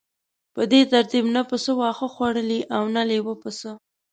په دې ترتیب نه پسه واښه خوړلی او نه لیوه پسه.